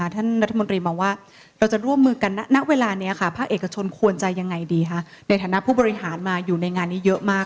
ท่านรัฐมนตรีมองว่าเราจะร่วมมือกันณเวลานี้ค่ะภาคเอกชนควรจะยังไงดีคะในฐานะผู้บริหารมาอยู่ในงานนี้เยอะมาก